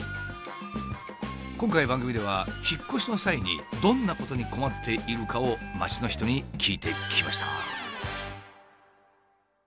今回番組では引っ越しの際にどんなことに困っているかを街の人に聞いてきました。